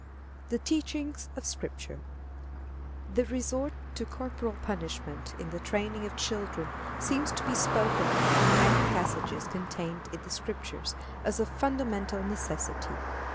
The Teachings of Scripture. The resort to corporal punishment in the training of children seems to be spoken of in many passages contained in the Scriptures as of fundamental necessity.